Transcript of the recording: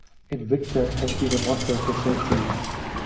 "Invicta" has been a motto for centuries.